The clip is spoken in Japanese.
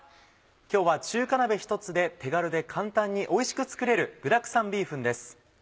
今日は中華鍋ひとつで手軽で簡単においしく作れる「具だくさんビーフン」です。